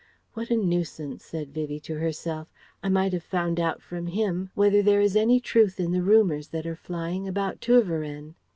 "What a nuisance," said Vivie to herself. "I might have found out from him whether there is any truth in the rumours that are flying about Tervueren."